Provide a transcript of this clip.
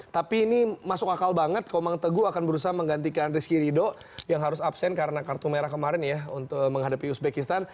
tapi ini masuk akal banget komang teguh akan berusaha menggantikan rizky rido yang harus absen karena kartu merah kemarin ya untuk menghadapi uzbekistan